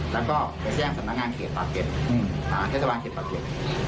แล้วก็ไปแจ้งสำนักงานเขตปากเก็ตเทศบาลเขตปากเก็ต